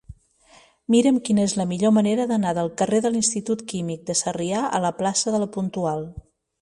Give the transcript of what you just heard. Mira'm quina és la millor manera d'anar del carrer de l'Institut Químic de Sarrià a la plaça de La Puntual.